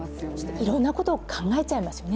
いろんなことを考えちゃいますよね